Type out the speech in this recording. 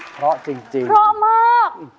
เพราะมาก